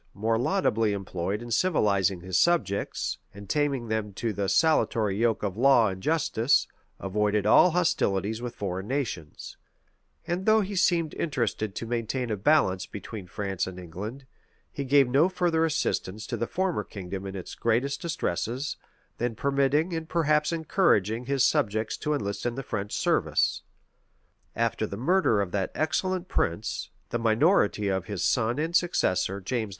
more laudably employed in civilizing his subjects, and taming them to the salutary yoke of law and justice, avoided all hostilities with foreign nations; and though he seemed interested to maintain a balance between France and England, he gave no further assistance to the former kingdom in its greatest distresses, than permitting, and perhaps encouraging, his subjects to enlist in the French service. After the murder of that excellent prince, the minority of his son and successor, James II.